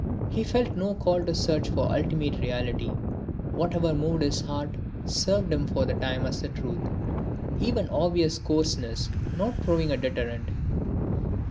He felt no call to search for ultimate reality; whatever moved his heart served him for the time as the truth, even obvious coarseness not proving a deterrent.